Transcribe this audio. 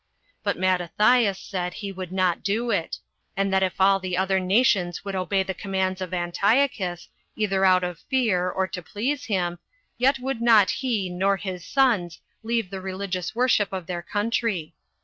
But Mattathias said he would not do it; and that if all the other nations would obey the commands of Antiochus, either out of fear, or to please him, yet would not he nor his sons leave the religious worship of their country.